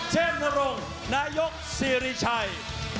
เจ้านรงนายกสิริชัย